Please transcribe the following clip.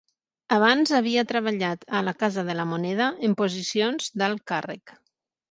Abans havia treballat a la Casa de la Moneda en posicions d'alt càrrec.